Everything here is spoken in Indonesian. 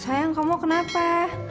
sayang kamu kenapa